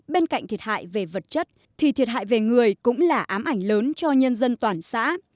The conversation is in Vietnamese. bên cạnh thiệt hại về vật chất thì thiệt hại về người cũng là ám ảnh lớn cho nhân dân toàn xã